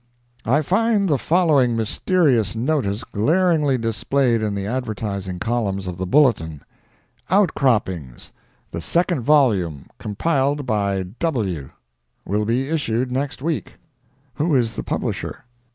I find the following mysterious notice glaringly displayed in the advertising columns of the Bulletin: OUTCROPPINGS!—The second volume, compiled by W_____, will be issued next week. Who is the publisher?